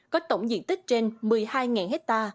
có tổng diện tích trên một mươi hai ha